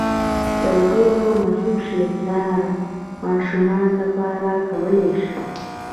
تر ټولو مهم شی پلار ماشومانو لپاره کولای شي.